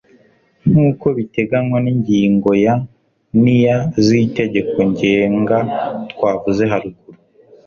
Nk'uko biteganywa n'ingingo ya n'iya z'itegeko ngenga twavuze haruguru;